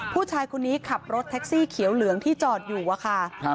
ผู้ชายคนนี้ขับรถแท็กซี่เขียวเหลืองที่จอดอยู่อะค่ะ